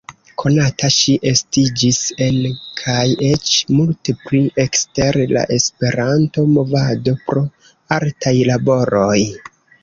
Konata ŝi estiĝis en kaj eĉ multe pli ekster la Esperanto-movado pro artaj laboroj.